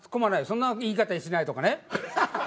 「そんな言い方しない」とかね。